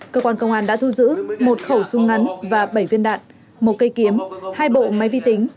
cơ quan công an đã thu giữ một khẩu súng ngắn và bảy viên đạn một cây kiếm hai bộ máy vi tính